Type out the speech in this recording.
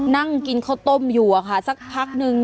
นั่งกินข้าวต้มอยู่อะค่ะสักพักนึง